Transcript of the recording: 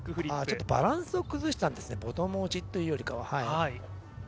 ちょっとバランスを崩したんですね、ボトム落ちというよりかは。